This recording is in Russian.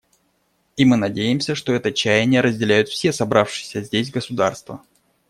И мы надеемся, что это чаяние разделяют все собравшиеся здесь государства.